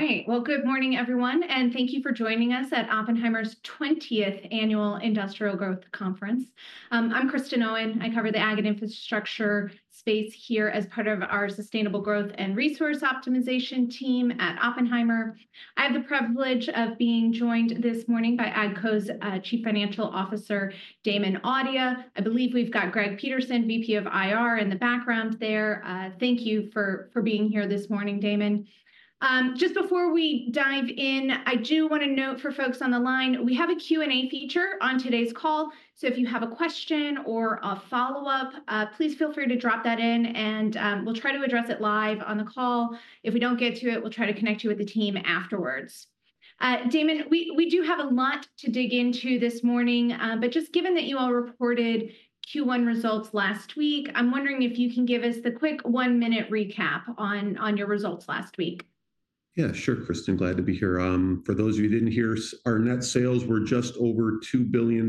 All right. Good morning, everyone, and thank you for joining us at Oppenheimer's 20th Annual Industrial Growth Conference. I'm Kristin Owen. I cover the ag and infrastructure space here as part of our Sustainable Growth and Resource Optimization team at Oppenheimer. I have the privilege of being joined this morning by AGCO's Chief Financial Officer, Damon Audia. I believe we've got Greg Peterson, VP of IR, in the background there. Thank you for being here this morning, Damon. Just before we dive in, I do want to note for folks on the line, we have a Q&A feature on today's call. If you have a question or a follow-up, please feel free to drop that in, and we'll try to address it live on the call. If we do not get to it, we'll try to connect you with the team afterwards. Damon, we do have a lot to dig into this morning, but just given that you all reported Q1 results last week, I'm wondering if you can give us the quick one-minute recap on your results last week. Yeah, sure, Kristin. Glad to be here. For those of you who didn't hear, our net sales were just over $2 billion.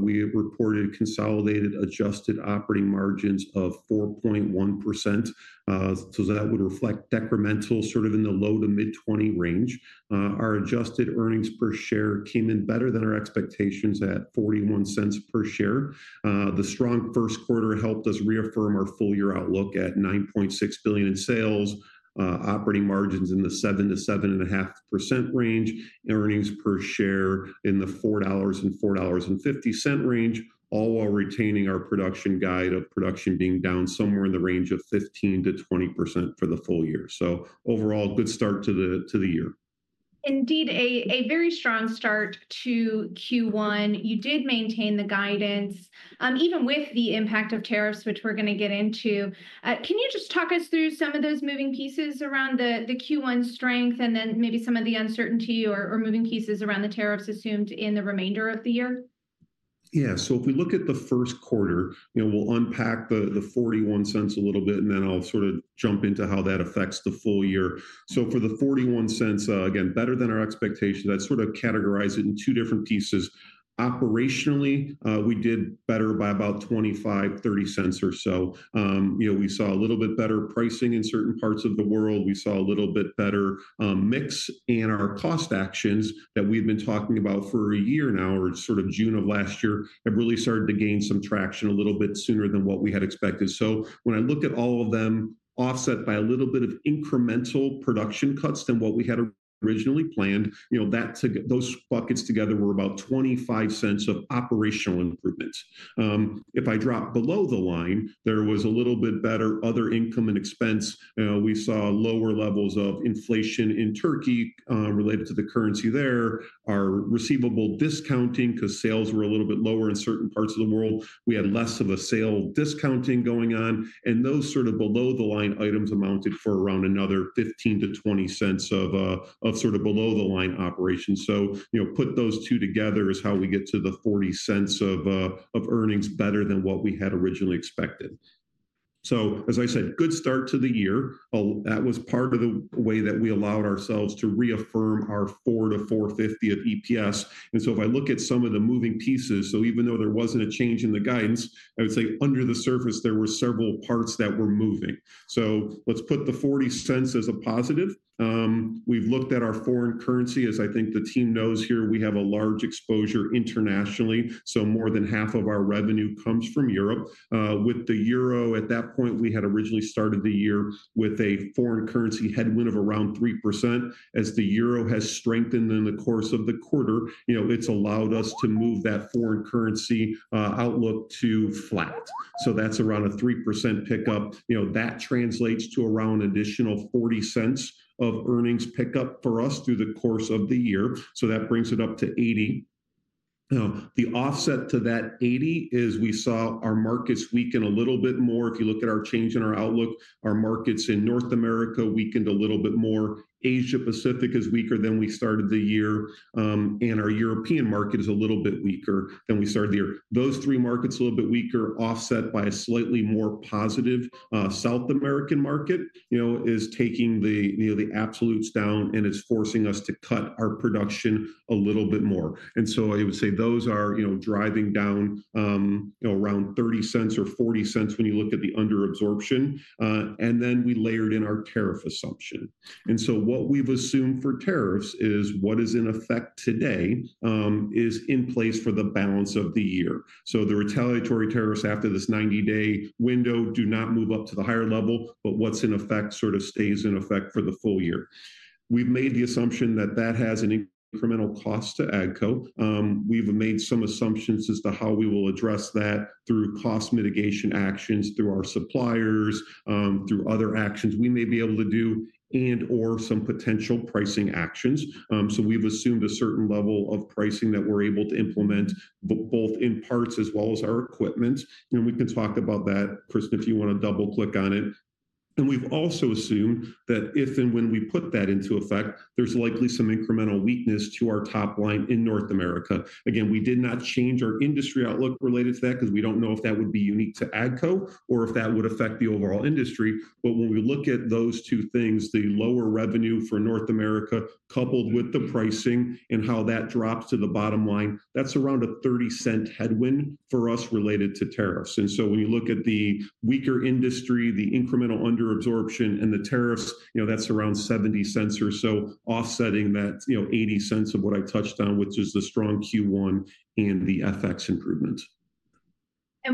We reported consolidated adjusted operating margins of 4.1%. That would reflect decremental sort of in the low to mid-20% range. Our adjusted earnings per share came in better than our expectations at $0.41 per share. The strong first quarter helped us reaffirm our full-year outlook at $9.6 billion in sales, operating margins in the 7%-7.5% range, and earnings per share in the $4.00-$4.50 range, all while retaining our production guide of production being down somewhere in the range of 15%-20% for the full year. Overall, good start to the year. Indeed, a very strong start to Q1. You did maintain the guidance, even with the impact of tariffs, which we're going to get into. Can you just talk us through some of those moving pieces around the Q1 strength, and then maybe some of the uncertainty or moving pieces around the tariffs assumed in the remainder of the year? Yeah. If we look at the first quarter, we'll unpack the $0.41 a little bit, and then I'll sort of jump into how that affects the full year. For the $0.41, again, better than our expectations, I'd sort of categorize it in two different pieces. Operationally, we did better by about $0.25-$0.30 or so. We saw a little bit better pricing in certain parts of the world. We saw a little bit better mix. Our cost actions that we've been talking about for a year now, or sort of June of last year, have really started to gain some traction a little bit sooner than what we had expected. When I look at all of them, offset by a little bit of incremental production cuts than what we had originally planned, those buckets together were about $0.25 of operational improvement. If I drop below the line, there was a little bit better other income and expense. We saw lower levels of inflation in Turkey related to the currency there. Our receivable discounting, because sales were a little bit lower in certain parts of the world, we had less of a sale discounting going on. Those sort of below-the-line items amounted for around another $0.15-$0.20 of sort of below-the-line operations. Put those two together is how we get to the $0.40 of earnings better than what we had originally expected. As I said, good start to the year. That was part of the way that we allowed ourselves to reaffirm our $4.00-$4.50 of EPS. If I look at some of the moving pieces, even though there was not a change in the guidance, I would say under the surface, there were several parts that were moving. Let's put the $0.40 as a positive. We have looked at our foreign currency. As I think the team knows here, we have a large exposure internationally. More than half of our revenue comes from Europe. With the euro, at that point, we had originally started the year with a foreign currency headwind of around 3%. As the euro has strengthened in the course of the quarter, it has allowed us to move that foreign currency outlook to flat. That is around a 3% pickup. That translates to around an additional $0.40 of earnings pickup for us through the course of the year. That brings it up to 80. The offset to that 80 is we saw our markets weaken a little bit more. If you look at our change in our outlook, our markets in North America weakened a little bit more. Asia-Pacific is weaker than we started the year. Our European market is a little bit weaker than we started the year. Those three markets a little bit weaker offset by a slightly more positive South American market is taking the absolutes down, and it is forcing us to cut our production a little bit more. I would say those are driving down around $0.30 or $0.40 when you look at the underabsorption. We layered in our tariff assumption. What we have assumed for tariffs is what is in effect today is in place for the balance of the year. The retaliatory tariffs after this 90-day window do not move up to the higher level, but what is in effect sort of stays in effect for the full year. We have made the assumption that that has an incremental cost to AGCO. We have made some assumptions as to how we will address that through cost mitigation actions through our suppliers, through other actions we may be able to do, and/or some potential pricing actions. We have assumed a certain level of pricing that we are able to implement both in parts as well as our equipment. We can talk about that, Kristin, if you want to double-click on it. We have also assumed that if and when we put that into effect, there is likely some incremental weakness to our top line in North America. Again, we did not change our industry outlook related to that because we do not know if that would be unique to AGCO or if that would affect the overall industry. When we look at those two things, the lower revenue for North America coupled with the pricing and how that drops to the bottom line, that is around a $0.30 headwind for us related to tariffs. When you look at the weaker industry, the incremental underabsorption, and the tariffs, that is around $0.70 or so, offsetting that $0.80 of what I touched on, which is the strong Q1 and the FX improvement.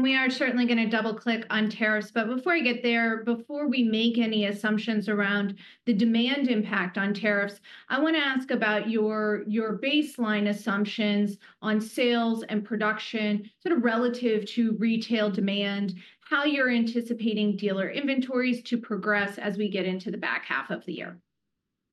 We are certainly going to double-click on tariffs. Before I get there, before we make any assumptions around the demand impact on tariffs, I want to ask about your baseline assumptions on sales and production sort of relative to retail demand, how you're anticipating dealer inventories to progress as we get into the back half of the year.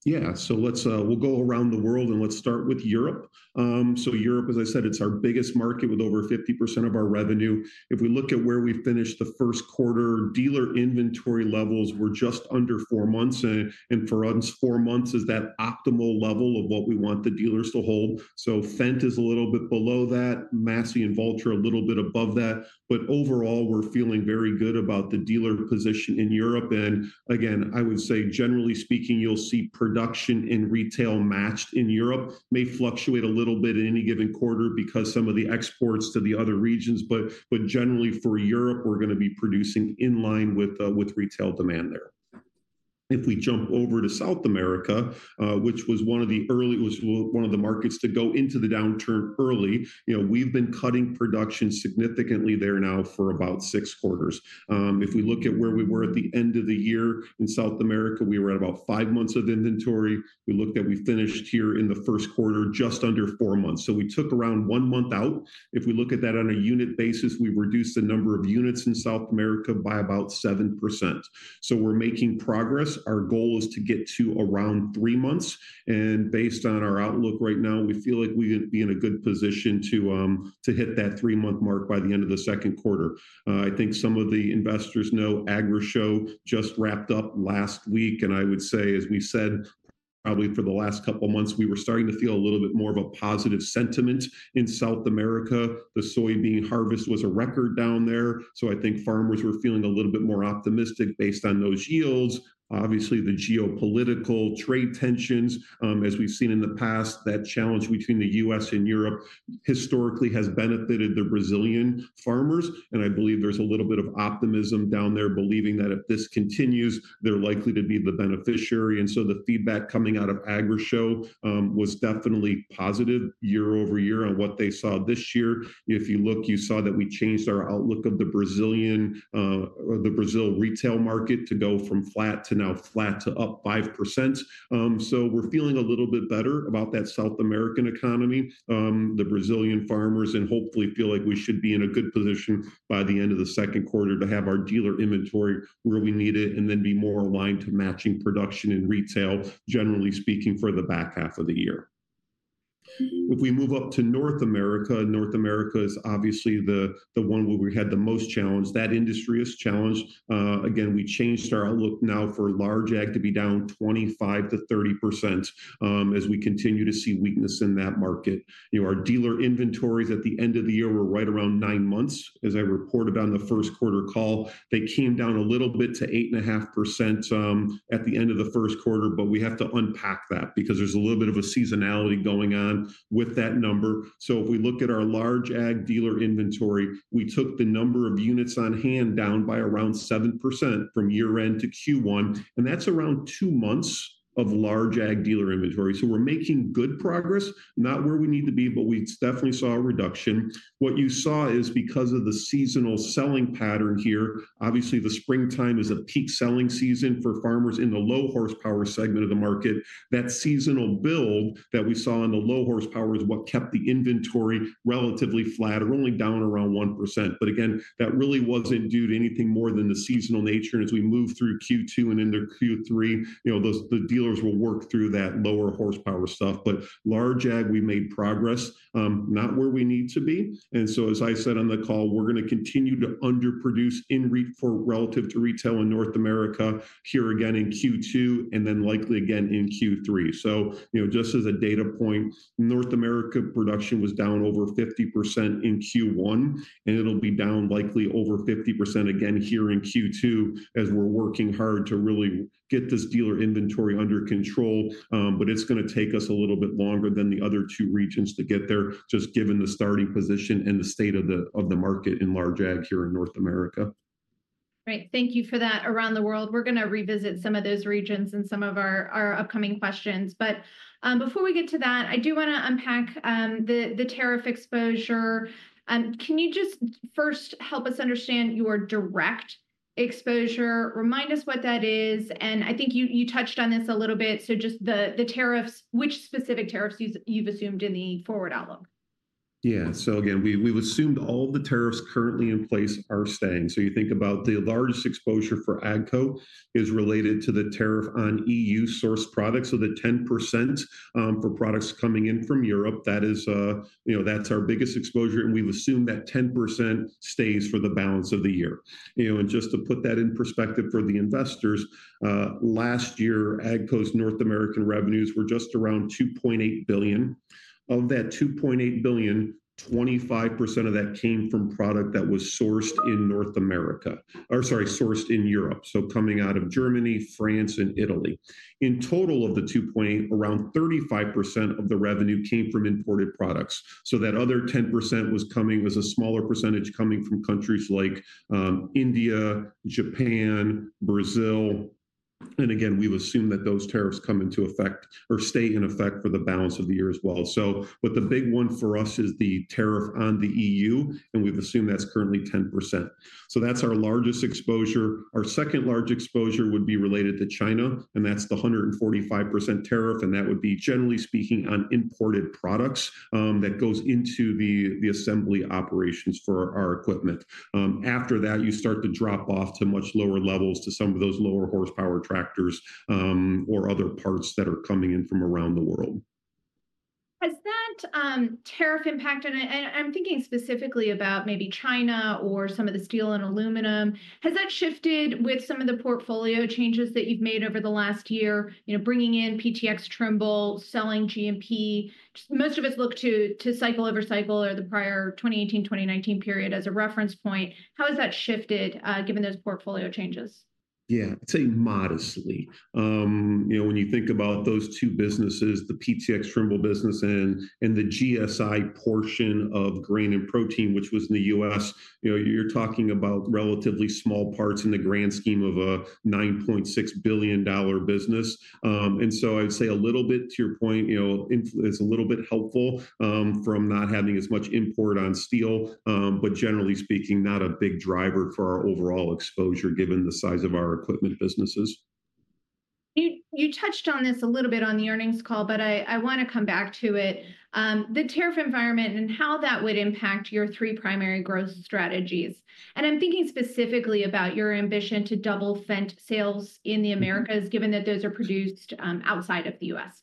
Yeah. We'll go around the world, and let's start with Europe. Europe, as I said, it's our biggest market with over 50% of our revenue. If we look at where we finished the first quarter, dealer inventory levels were just under four months. For us, four months is that optimal level of what we want the dealers to hold. Fendt is a little bit below that. Massey and Valtra are a little bit above that. Overall, we're feeling very good about the dealer position in Europe. Again, I would say, generally speaking, you'll see production and retail matched in Europe. It may fluctuate a little bit in any given quarter because some of the exports to the other regions. Generally, for Europe, we're going to be producing in line with retail demand there. If we jump over to South America, which was one of the early, was one of the markets to go into the downturn early, we've been cutting production significantly there now for about six quarters. If we look at where we were at the end of the year in South America, we were at about five months of inventory. We looked at, we finished here in the first quarter just under four months. We took around one month out. If we look at that on a unit basis, we reduced the number of units in South America by about 7%. We are making progress. Our goal is to get to around three months. Based on our outlook right now, we feel like we would be in a good position to hit that three-month mark by the end of the second quarter. I think some of the investors know AgriShow just wrapped up last week. I would say, as we said, probably for the last couple of months, we were starting to feel a little bit more of a positive sentiment in South America. The soybean harvest was a record down there. I think farmers were feeling a little bit more optimistic based on those yields. Obviously, the geopolitical trade tensions, as we have seen in the past, that challenge between the U.S. and Europe historically has benefited the Brazilian farmers. I believe there is a little bit of optimism down there, believing that if this continues, they are likely to be the beneficiary. The feedback coming out of AgriShow was definitely positive year over-year on what they saw this year. If you look, you saw that we changed our outlook of the Brazilian or the Brazil retail market to go from flat to now flat to up 5%. So we're feeling a little bit better about that South American economy. The Brazilian farmers and hopefully feel like we should be in a good position by the end of the second quarter to have our dealer inventory where we need it and then be more aligned to matching production and retail, generally speaking, for the back half of the year. If we move up to North America, North America is obviously the one where we had the most challenge. That industry is challenged. Again, we changed our outlook now for large ag to be down 25%-30% as we continue to see weakness in that market. Our dealer inventories at the end of the year were right around nine months. As I reported on the first quarter call, they came down a little bit to 8.5% at the end of the first quarter. We have to unpack that because there is a little bit of a seasonality going on with that number. If we look at our large ag dealer inventory, we took the number of units on hand down by around 7% from year-end to Q1. That is around two months of large ag dealer inventory. We are making good progress, not where we need to be, but we definitely saw a reduction. What you saw is because of the seasonal selling pattern here. Obviously, the springtime is a peak selling season for farmers in the low horsepower segment of the market. That seasonal build that we saw in the low horsepower is what kept the inventory relatively flat or only down around 1%. That really was not due to anything more than the seasonal nature. As we move through Q2 and into Q3, the dealers will work through that lower horsepower stuff. Large ag, we made progress, not where we need to be. As I said on the call, we are going to continue to underproduce in relative to retail in North America here again in Q2 and then likely again in Q3. Just as a data point, North America production was down over 50% in Q1, and it will be down likely over 50% again here in Q2 as we are working hard to really get this dealer inventory under control. It is going to take us a little bit longer than the other two regions to get there, just given the starting position and the state of the market in large ag here in North America. Right. Thank you for that. Around the world, we're going to revisit some of those regions in some of our upcoming questions. Before we get to that, I do want to unpack the tariff exposure. Can you just first help us understand your direct exposure? Remind us what that is. I think you touched on this a little bit. Just the tariffs, which specific tariffs you've assumed in the forward outlook? Yeah. So again, we've assumed all the tariffs currently in place are staying. You think about the largest exposure for AGCO is related to the tariff on EU-sourced products. The 10% for products coming in from Europe, that's our biggest exposure. We've assumed that 10% stays for the balance of the year. Just to put that in perspective for the investors, last year, AGCO's North American revenues were just around $2.8 billion. Of that $2.8 billion, 25% of that came from product that was sourced in North America or sorry, sourced in Europe. Coming out of Germany, France, and Italy. In total of the $2.8 billion, around 35% of the revenue came from imported products. That other 10% was coming as a smaller percentage coming from countries like India, Japan, Brazil. We've assumed that those tariffs come into effect or stay in effect for the balance of the year as well. The big one for us is the tariff on the EU, and we've assumed that's currently 10%. That's our largest exposure. Our second-largest exposure would be related to China, and that's the 145% tariff. That would be, generally speaking, on imported products that goes into the assembly operations for our equipment. After that, you start to drop off to much lower levels to some of those lower horsepower tractors or other parts that are coming in from around the world. Has that tariff impacted? I'm thinking specifically about maybe China or some of the steel and aluminum. Has that shifted with some of the portfolio changes that you've made over the last year, bringing in PTx Trimble, selling GMP? Most of us look to cycle over cycle or the prior 2018, 2019 period as a reference point. How has that shifted given those portfolio changes? Yeah, I'd say modestly. When you think about those two businesses, the PTx Trimble business and the GSI portion of grain and protein, which was in the U.S., you're talking about relatively small parts in the grand scheme of a $9.6 billion business. I'd say a little bit to your point, it's a little bit helpful from not having as much import on steel, but generally speaking, not a big driver for our overall exposure given the size of our equipment businesses. You touched on this a little bit on the earnings call, but I want to come back to it. The tariff environment and how that would impact your three primary growth strategies. I am thinking specifically about your ambition to double Fendt sales in the Americas, given that those are produced outside of the US.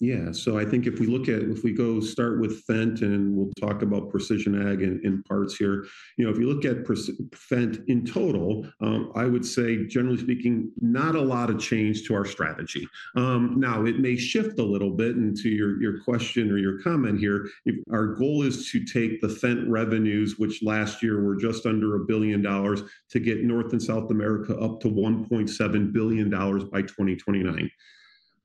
Yeah. I think if we look at, if we go start with Fendt, and we'll talk about precision ag in parts here. If you look at Fendt in total, I would say, generally speaking, not a lot of change to our strategy. Now, it may shift a little bit into your question or your comment here. Our goal is to take the Fendt revenues, which last year were just under $1 billion, to get North and South America up to $1.7 billion by 2029.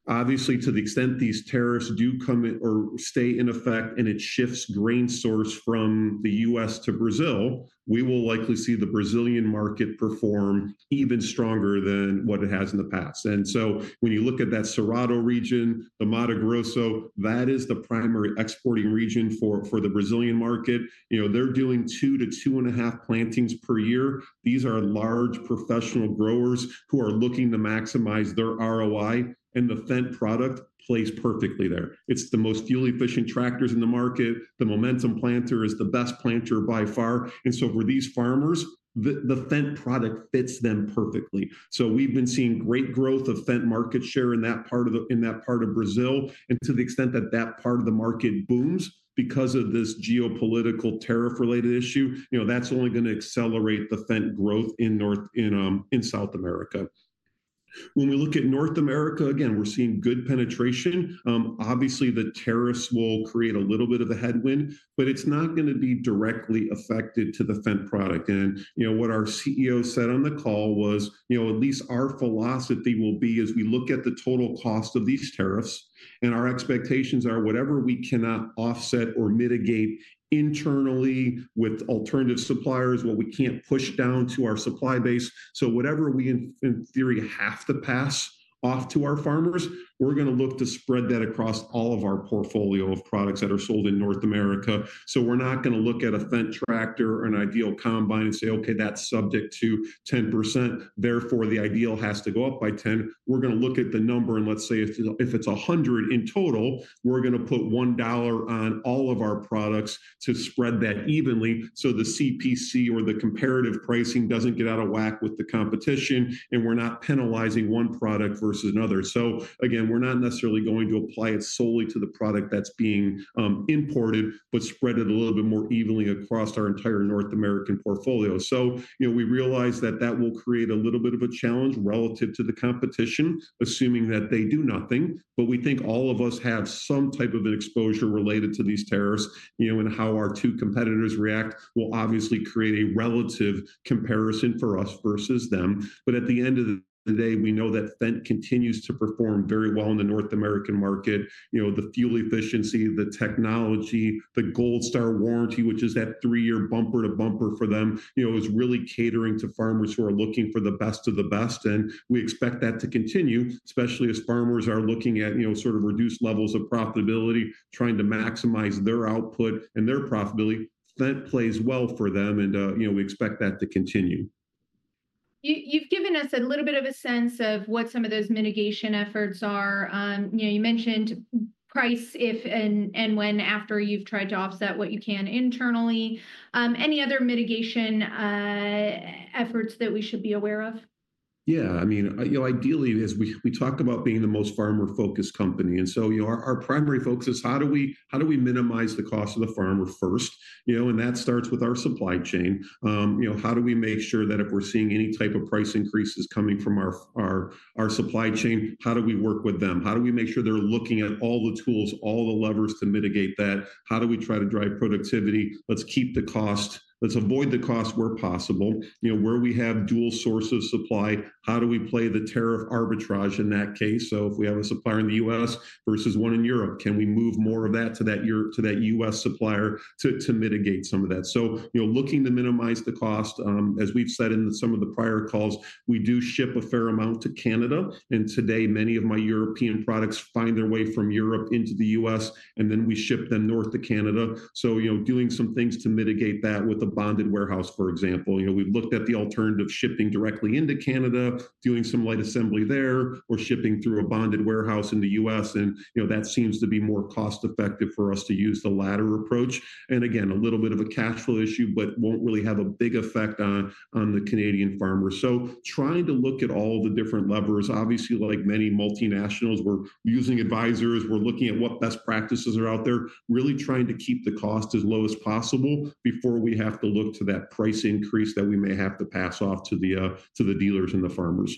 Obviously, to the extent these tariffs do come or stay in effect and it shifts grain source from the U.S. to Brazil, we will likely see the Brazilian market perform even stronger than what it has in the past. When you look at that Cerrado region, the Mato Grosso, that is the primary exporting region for the Brazilian market. They're doing two to two and a half plantings per year. These are large professional growers who are looking to maximize their ROI. The Fendt product plays perfectly there. It's the most fuel-efficient tractors in the market. The Momentum planter is the best planter by far. For these farmers, the Fendt product fits them perfectly. We have been seeing great growth of Fendt market share in that part of Brazil. To the extent that that part of the market booms because of this geopolitical tariff-related issue, that's only going to accelerate the Fendt growth in South America. When we look at North America, again, we're seeing good penetration. Obviously, the tariffs will create a little bit of a headwind, but it's not going to be directly affected to the Fendt product. What our CEO said on the call was, at least our philosophy will be as we look at the total cost of these tariffs, and our expectations are whatever we cannot offset or mitigate internally with alternative suppliers, what we cannot push down to our supply base. Whatever we, in theory, have to pass off to our farmers, we are going to look to spread that across all of our portfolio of products that are sold in North America. We are not going to look at a Fendt tractor or an IDEAL combine and say, "Okay, that is subject to 10%. Therefore, the IDEAL has to go up by 10. We're going to look at the number, and let's say if it's 100 in total, we're going to put $1 on all of our products to spread that evenly so the CPC or the comparative pricing doesn't get out of whack with the competition, and we're not penalizing one product versus another. Again, we're not necessarily going to apply it solely to the product that's being imported, but spread it a little bit more evenly across our entire North American portfolio. We realize that that will create a little bit of a challenge relative to the competition, assuming that they do nothing. We think all of us have some type of an exposure related to these tariffs and how our two competitors react will obviously create a relative comparison for us versus them. At the end of the day, we know that Fendt continues to perform very well in the North American market. The fuel efficiency, the technology, the Gold Star warranty, which is that three-year bumper to bumper for them, is really catering to farmers who are looking for the best of the best. We expect that to continue, especially as farmers are looking at sort of reduced levels of profitability, trying to maximize their output and their profitability. Fendt plays well for them, and we expect that to continue. You've given us a little bit of a sense of what some of those mitigation efforts are. You mentioned price if and when after you've tried to offset what you can internally. Any other mitigation efforts that we should be aware of? Yeah. I mean, ideally, as we talk about being the most farmer-focused company, our primary focus is how do we minimize the cost of the farmer first? That starts with our supply chain. How do we make sure that if we are seeing any type of price increases coming from our supply chain, how do we work with them? How do we make sure they are looking at all the tools, all the levers to mitigate that? How do we try to drive productivity? Let's keep the cost. Let's avoid the cost where possible. Where we have dual source of supply, how do we play the tariff arbitrage in that case? If we have a supplier in the U.S. versus one in Europe, can we move more of that to that U.S. supplier to mitigate some of that? Looking to minimize the cost, as we've said in some of the prior calls, we do ship a fair amount to Canada. Today, many of my European products find their way from Europe into the US, and then we ship them north to Canada. Doing some things to mitigate that with a bonded warehouse, for example. We've looked at the alternative shipping directly into Canada, doing some light assembly there, or shipping through a bonded warehouse in the US. That seems to be more cost-effective for us to use the latter approach. Again, a little bit of a cash flow issue, but won't really have a big effect on the Canadian farmer. Trying to look at all the different levers. Obviously, like many multinationals, we're using advisors. We're looking at what best practices are out there, really trying to keep the cost as low as possible before we have to look to that price increase that we may have to pass off to the dealers and the farmers.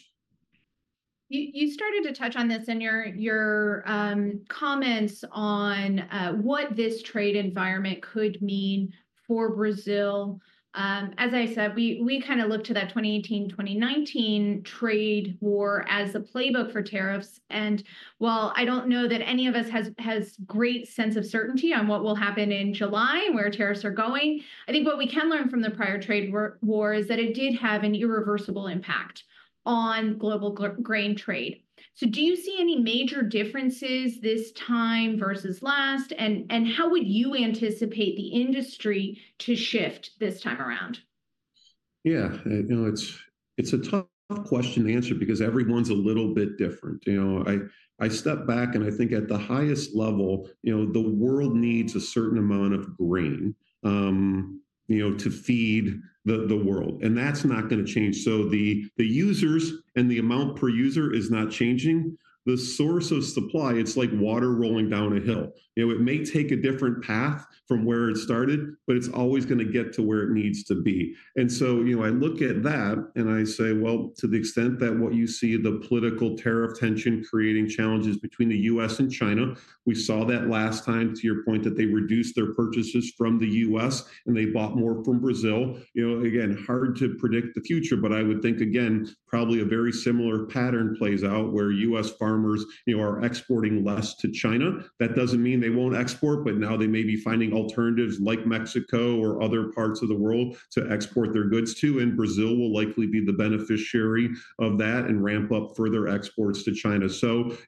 You started to touch on this in your comments on what this trade environment could mean for Brazil. As I said, we kind of looked to that 2018, 2019 trade war as a playbook for tariffs. While I do not know that any of us has great sense of certainty on what will happen in July and where tariffs are going, I think what we can learn from the prior trade war is that it did have an irreversible impact on global grain trade. Do you see any major differences this time versus last? How would you anticipate the industry to shift this time around? Yeah. It's a tough question to answer because everyone's a little bit different. I step back, and I think at the highest level, the world needs a certain amount of grain to feed the world. And that's not going to change. So the users and the amount per user is not changing. The source of supply, it's like water rolling down a hill. It may take a different path from where it started, but it's always going to get to where it needs to be. I look at that and I say, well, to the extent that what you see, the political tariff tension creating challenges between the U.S. and China, we saw that last time, to your point, that they reduced their purchases from the U.S. and they bought more from Brazil. Again, hard to predict the future, but I would think, again, probably a very similar pattern plays out where U.S. farmers are exporting less to China. That does not mean they will not export, but now they may be finding alternatives like Mexico or other parts of the world to export their goods to. Brazil will likely be the beneficiary of that and ramp up further exports to China.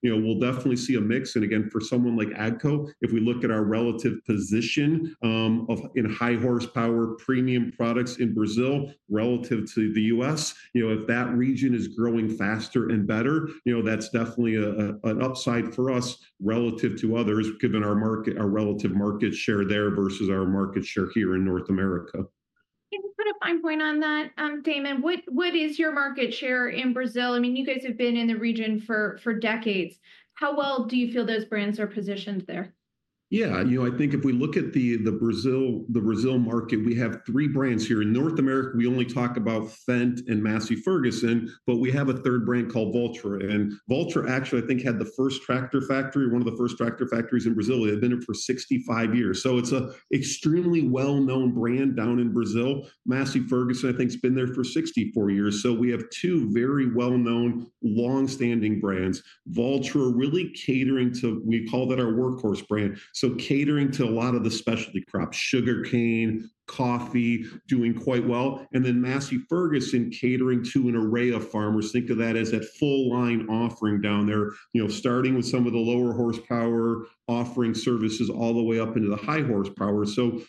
We will definitely see a mix. Again, for someone like AGCO, if we look at our relative position in high horsepower premium products in Brazil relative to the U.S., if that region is growing faster and better, that is definitely an upside for us relative to others, given our relative market share there versus our market share here in North America. Can you put a fine point on that, Damon? What is your market share in Brazil? I mean, you guys have been in the region for decades. How well do you feel those brands are positioned there? Yeah. I think if we look at the Brazil market, we have three brands here. In North America, we only talk about Fendt and Massey Ferguson, but we have a third brand called Valtra. And Valtra, actually, I think had the first tractor factory, one of the first tractor factories in Brazil. They've been in it for 65 years. It is an extremely well-known brand down in Brazil. Massey Ferguson, I think, has been there for 64 years. We have two very well-known long-standing brands. Valtra really catering to, we call that our workhorse brand, so catering to a lot of the specialty crops, sugarcane, coffee, doing quite well. Massey Ferguson catering to an array of farmers. Think of that as that full line offering down there, starting with some of the lower horsepower offering services all the way up into the high horsepower.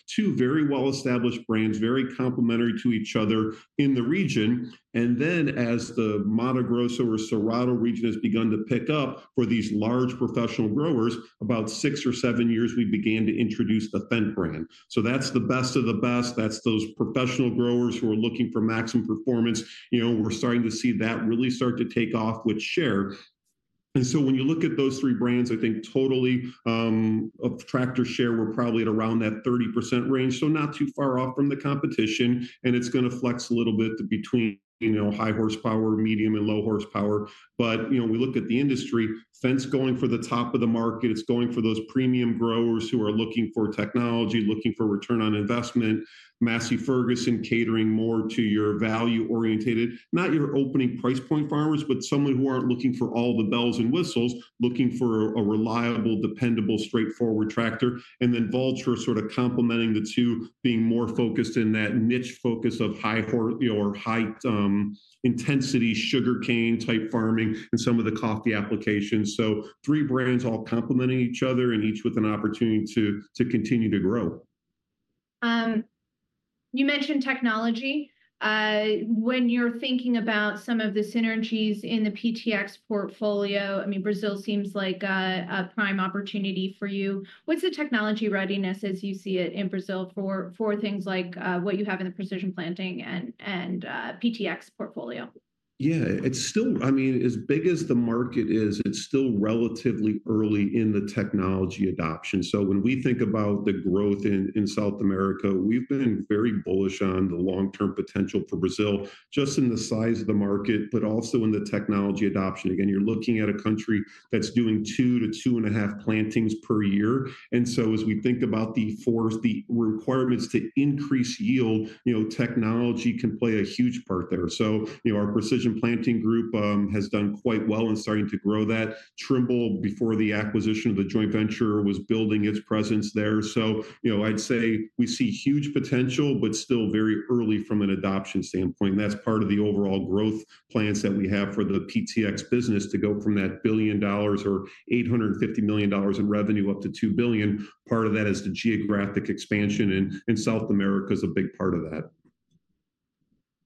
Two very well-established brands, very complementary to each other in the region. As the Mato Grosso or Cerrado region has begun to pick up for these large professional growers, about six or seven years ago, we began to introduce the Fendt brand. That is the best of the best. That is those professional growers who are looking for maximum performance. We are starting to see that really start to take off with share. When you look at those three brands, I think totally of tractor share, we are probably at around that 30% range. Not too far off from the competition. It is going to flex a little bit between high horsepower, medium, and low horsepower. We look at the industry, Fendt is going for the top of the market. It is going for those premium growers who are looking for technology, looking for return on investment. Massey Ferguson catering more to your value-oriented, not your opening price point farmers, but someone who aren't looking for all the bells and whistles, looking for a reliable, dependable, straightforward tractor. Then Valtra, sort of complementing the two, being more focused in that niche focus of high or high intensity sugarcane-type farming and some of the coffee applications. Three brands all complementing each other and each with an opportunity to continue to grow. You mentioned technology. When you're thinking about some of the synergies in the PTx portfolio, I mean, Brazil seems like a prime opportunity for you. What's the technology readiness as you see it in Brazil for things like what you have in the Precision Planting and PTx portfolio? Yeah. I mean, as big as the market is, it's still relatively early in the technology adoption. When we think about the growth in South America, we've been very bullish on the long-term potential for Brazil, just in the size of the market, but also in the technology adoption. Again, you're looking at a country that's doing two to two and a half plantings per year. As we think about the requirements to increase yield, technology can play a huge part there. Our Precision Planting group has done quite well in starting to grow that. Trimble, before the acquisition of the joint venture, was building its presence there. I'd say we see huge potential, but still very early from an adoption standpoint. That is part of the overall growth plans that we have for the PTx business to go from that $1 billion or $850 million in revenue up to $2 billion. Part of that is the geographic expansion. South America is a big part of that.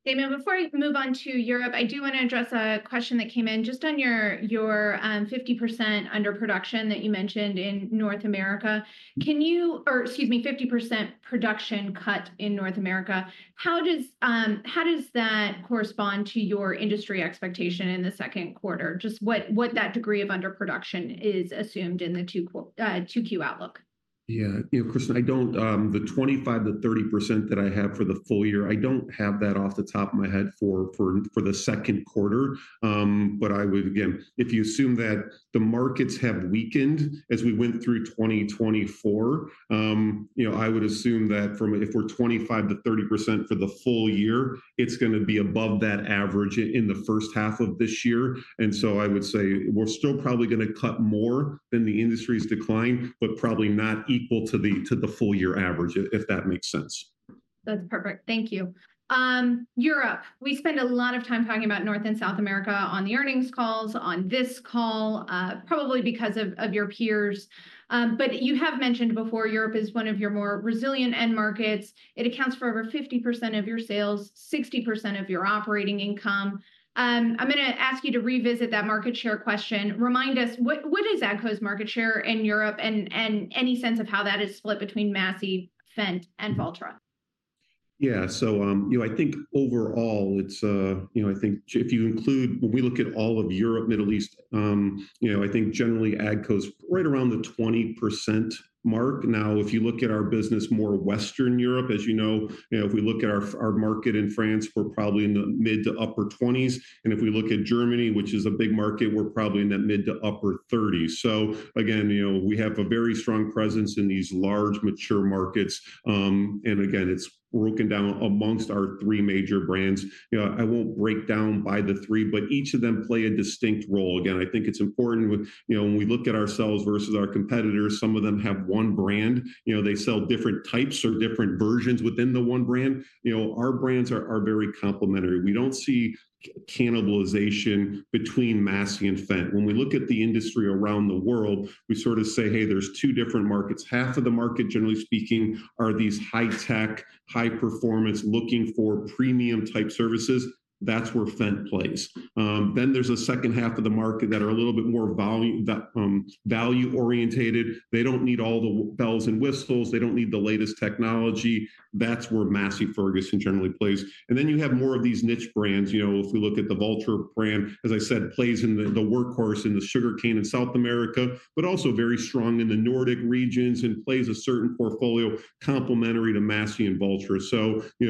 Damon, before I move on to Europe, I do want to address a question that came in just on your 50% underproduction that you mentioned in North America. Can you, or excuse me, 50% production cut in North America, how does that correspond to your industry expectation in the second quarter? Just what that degree of underproduction is assumed in the 2Q outlook? Yeah. Kristin, I do not, the 25-30% that I have for the full year, I do not have that off the top of my head for the second quarter. I would, again, if you assume that the markets have weakened as we went through 2024, I would assume that if we are 25-30% for the full year, it is going to be above that average in the first half of this year. I would say we are still probably going to cut more than the industry's decline, but probably not equal to the full year average, if that makes sense. That's perfect. Thank you. Europe, we spend a lot of time talking about North and South America on the earnings calls, on this call, probably because of your peers. But you have mentioned before Europe is one of your more resilient end markets. It accounts for over 50% of your sales, 60% of your operating income. I'm going to ask you to revisit that market share question. Remind us, what is AGCO's market share in Europe and any sense of how that is split between Massey, Fendt, and Valtra? Yeah. I think overall, I think if you include, when we look at all of Europe, Middle East, I think generally AGCO's right around the 20% mark. Now, if you look at our business more Western Europe, as you know, if we look at our market in France, we're probably in the mid to upper 20%. If we look at Germany, which is a big market, we're probably in that mid to upper 30%. Again, we have a very strong presence in these large mature markets. Again, it's broken down amongst our three major brands. I won't break down by the three, but each of them play a distinct role. I think it's important when we look at ourselves versus our competitors, some of them have one brand. They sell different types or different versions within the one brand. Our brands are very complementary. We do not see cannibalization between Massey and Fendt. When we look at the industry around the world, we sort of say, hey, there are two different markets. Half of the market, generally speaking, are these high-tech, high-performance, looking for premium-type services. That is where Fendt plays. There is a second half of the market that are a little bit more value-orientated. They do not need all the bells and whistles. They do not need the latest technology. That is where Massey Ferguson generally plays. You have more of these niche brands. If we look at the Valtra brand, as I said, it plays in the workhorse in the sugarcane in South America, but also very strong in the Nordic regions and plays a certain portfolio complementary to Massey and Valtra.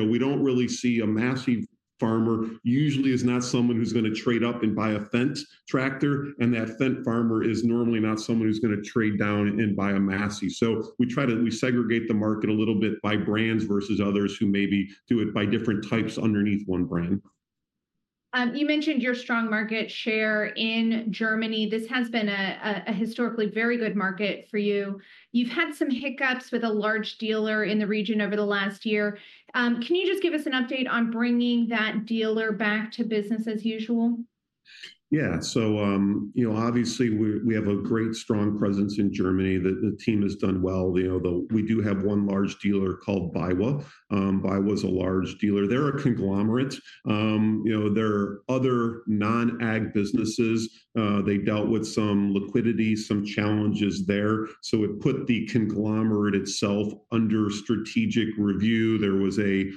We do not really see a Massey farmer usually is not someone who is going to trade up and buy a Fendt tractor. That Fendt farmer is normally not someone who's going to trade down and buy a Massey. We segregate the market a little bit by brands versus others who maybe do it by different types underneath one brand. You mentioned your strong market share in Germany. This has been a historically very good market for you. You've had some hiccups with a large dealer in the region over the last year. Can you just give us an update on bringing that dealer back to business as usual? Yeah. Obviously, we have a great strong presence in Germany. The team has done well. We do have one large dealer called Baywa. Baywa is a large dealer. They are a conglomerate. There are other non-AG businesses. They dealt with some liquidity, some challenges there. It put the conglomerate itself under strategic review. There was a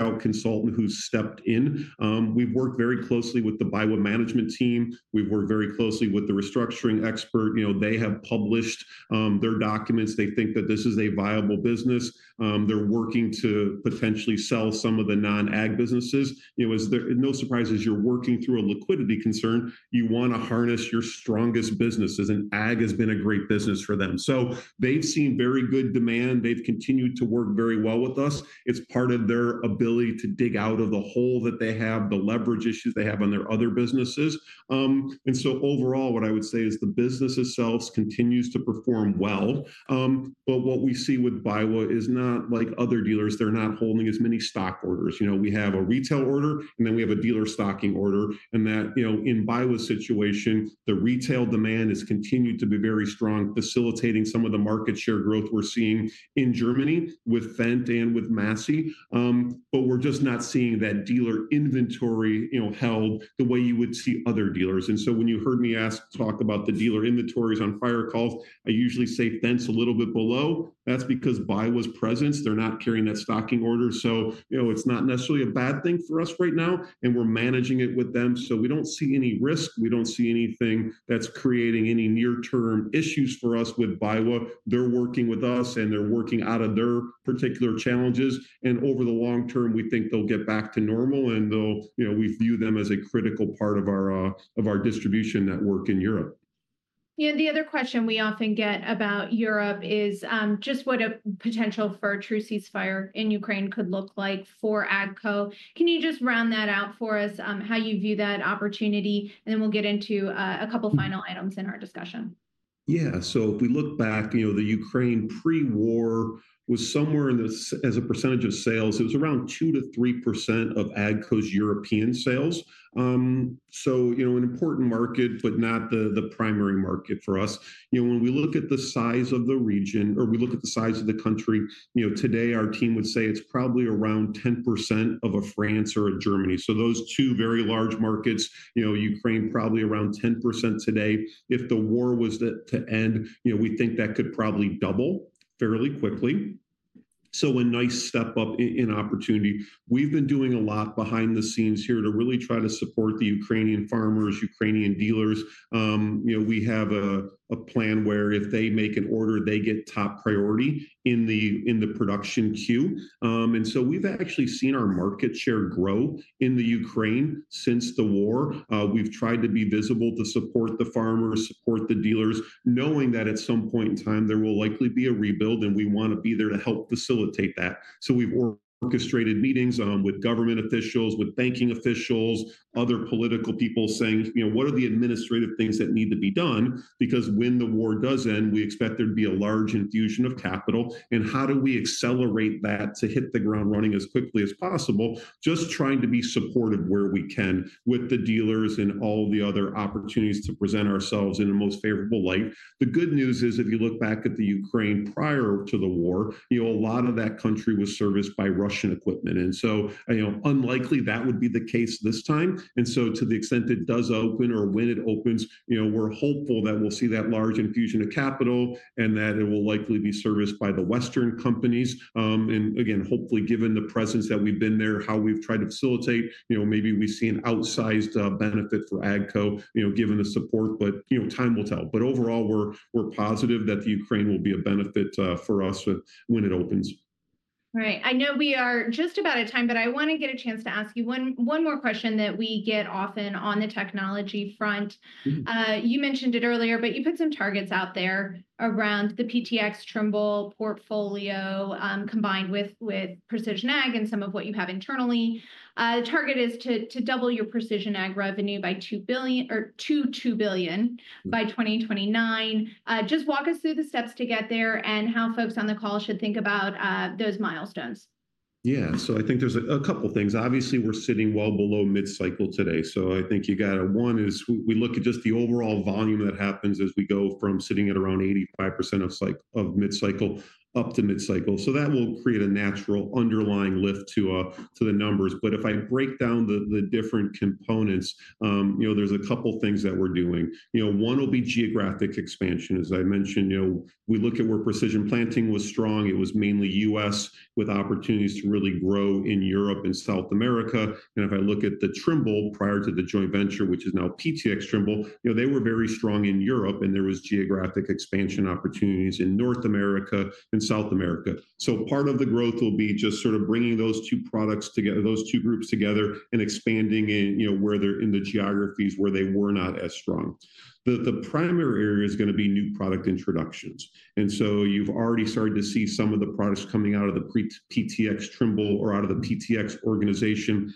work-out consultant who stepped in. We have worked very closely with the Baywa management team. We have worked very closely with the restructuring expert. They have published their documents. They think that this is a viable business. They are working to potentially sell some of the non-AG businesses. No surprise, as you are working through a liquidity concern, you want to harness your strongest businesses. AG has been a great business for them. They have seen very good demand. They have continued to work very well with us. It's part of their ability to dig out of the hole that they have, the leverage issues they have on their other businesses. Overall, what I would say is the business itself continues to perform well. What we see with Baywa is not like other dealers. They're not holding as many stock orders. We have a retail order, and then we have a dealer stocking order. In Baywa's situation, the retail demand has continued to be very strong, facilitating some of the market share growth we're seeing in Germany with Fendt and with Massey. We're just not seeing that dealer inventory held the way you would see other dealers. When you heard me talk about the dealer inventories on prior calls, I usually say Fendt's a little bit below. That's because Baywa's presence, they're not carrying that stocking order. It is not necessarily a bad thing for us right now. We are managing it with them. We do not see any risk. We do not see anything that is creating any near-term issues for us with Baywa. They are working with us, and they are working out of their particular challenges. Over the long term, we think they will get back to normal. We view them as a critical part of our distribution network in Europe. The other question we often get about Europe is just what a potential for a true ceasefire in Ukraine could look like for AGCO. Can you just round that out for us, how you view that opportunity? Then we'll get into a couple of final items in our discussion. Yeah. If we look back, Ukraine pre-war was somewhere in the, as a percentage of sales, it was around 2-3% of AGCO's European sales. An important market, but not the primary market for us. When we look at the size of the region, or we look at the size of the country, today our team would say it's probably around 10% of a France or a Germany. Those two very large markets, Ukraine probably around 10% today. If the war was to end, we think that could probably double fairly quickly. A nice step up in opportunity. We've been doing a lot behind the scenes here to really try to support the Ukrainian farmers, Ukrainian dealers. We have a plan where if they make an order, they get top priority in the production queue. We have actually seen our market share grow in Ukraine since the war. We have tried to be visible to support the farmers, support the dealers, knowing that at some point in time, there will likely be a rebuild, and we want to be there to help facilitate that. We have orchestrated meetings with government officials, with banking officials, other political people saying, what are the administrative things that need to be done? Because when the war does end, we expect there to be a large infusion of capital. How do we accelerate that to hit the ground running as quickly as possible? Just trying to be supportive where we can with the dealers and all the other opportunities to present ourselves in the most favorable light. The good news is, if you look back at Ukraine prior to the war, a lot of that country was serviced by Russian equipment. Unlikely that would be the case this time. To the extent it does open or when it opens, we're hopeful that we'll see that large infusion of capital and that it will likely be serviced by the Western companies. Again, hopefully, given the presence that we've been there, how we've tried to facilitate, maybe we see an outsized benefit for AGCO given the support. Time will tell. Overall, we're positive that Ukraine will be a benefit for us when it opens. All right. I know we are just about at time, but I want to get a chance to ask you one more question that we get often on the technology front. You mentioned it earlier, but you put some targets out there around the PTx Trimble portfolio combined with precision ag and some of what you have internally. The target is to double your precision ag revenue to $2 billion by 2029. Just walk us through the steps to get there and how folks on the call should think about those milestones. Yeah. I think there is a couple of things. Obviously, we are sitting well below mid-cycle today. I think you have to, one is we look at just the overall volume that happens as we go from sitting at around 85% of mid-cycle up to mid-cycle. That will create a natural underlying lift to the numbers. If I break down the different components, there are a couple of things that we are doing. One will be geographic expansion. As I mentioned, we look at where Precision Planting was strong. It was mainly US with opportunities to really grow in Europe and South America. If I look at Trimble prior to the joint venture, which is now PTx Trimble, they were very strong in Europe, and there were geographic expansion opportunities in North America and South America. Part of the growth will be just sort of bringing those two products together, those two groups together, and expanding where they're in the geographies where they were not as strong. The primary area is going to be new product introductions. You've already started to see some of the products coming out of the PTx Trimble or out of the PTx organization.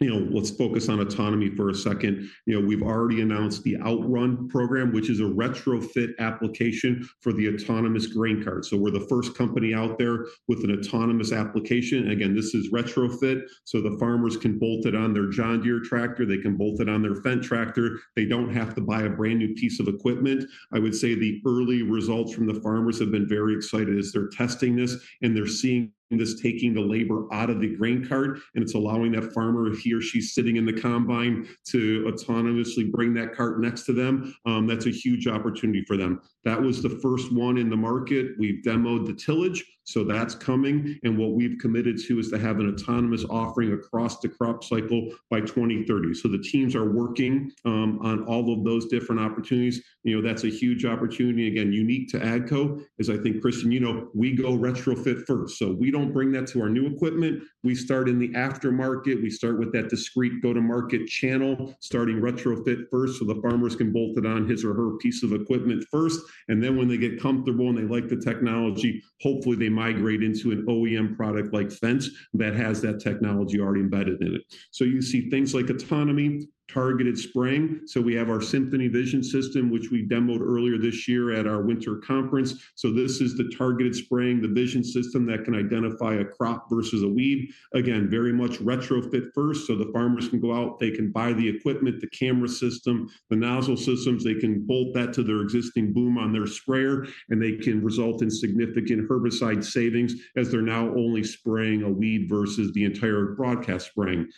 Let's focus on autonomy for a second. We've already announced the OutRun program, which is a retrofit application for the autonomous grain carts. We're the first company out there with an autonomous application. Again, this is retrofit. The farmers can bolt it on their John Deere tractor. They can bolt it on their Fendt tractor. They don't have to buy a brand new piece of equipment. I would say the early results from the farmers have been very excited as they're testing this, and they're seeing this taking the labor out of the grain cart, and it's allowing that farmer, he or she is sitting in the combine, to autonomously bring that cart next to them. That's a huge opportunity for them. That was the first one in the market. We've demoed the tillage. That is coming. What we've committed to is to have an autonomous offering across the crop cycle by 2030. The teams are working on all of those different opportunities. That's a huge opportunity, again, unique to AGCO, is I think, Kristin, we go retrofit first. We do not bring that to our new equipment. We start in the aftermarket. We start with that discreet go-to-market channel, starting retrofit first so the farmers can bolt it on his or her piece of equipment first. Then when they get comfortable and they like the technology, hopefully they migrate into an OEM product like Fendt that has that technology already embedded in it. You see things like autonomy, targeted spraying. We have our Symphony Vision system, which we demoed earlier this year at our winter conference. This is the targeted spraying, the vision system that can identify a crop versus a weed. Again, very much retrofit first. The farmers can go out, they can buy the equipment, the camera system, the nozzle systems. They can bolt that to their existing boom on their sprayer, and they can result in significant herbicide savings as they're now only spraying a weed versus the entire broadcast spraying.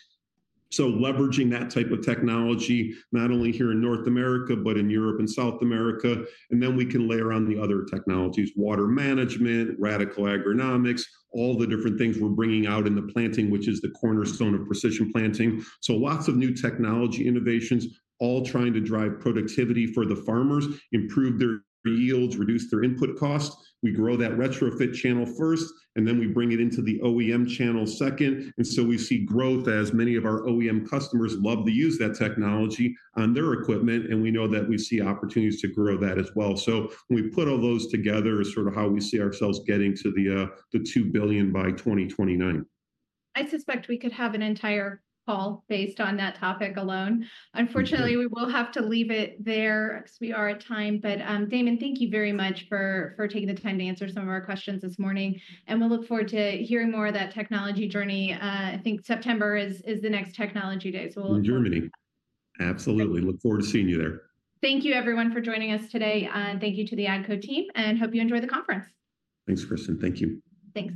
Leveraging that type of technology, not only here in North America, but in Europe and South America. We can layer on the other technologies, water management, Radicle Agronomics, all the different things we are bringing out in the planting, which is the cornerstone of Precision Planting. Lots of new technology innovations, all trying to drive productivity for the farmers, improve their yields, reduce their input costs. We grow that retrofit channel first, and then we bring it into the OEM channel second. We see growth as many of our OEM customers love to use that technology on their equipment. We know that we see opportunities to grow that as well. We put all those together as sort of how we see ourselves getting to the $2 billion by 2029. I suspect we could have an entire call based on that topic alone. Unfortunately, we will have to leave it there because we are at time. Damon, thank you very much for taking the time to answer some of our questions this morning. We will look forward to hearing more of that technology journey. I think September is the next technology day. In Germany. Absolutely. Look forward to seeing you there. Thank you, everyone, for joining us today. Thank you to the AGCO team. Hope you enjoy the conference. Thanks, Kristin. Thank you. Thanks.